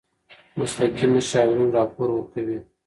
مسلکي مشاورین راپور ورکوي.